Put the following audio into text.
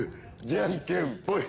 じゃんけんポイ！